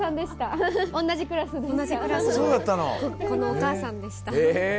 同じクラスの子のお母さんでした。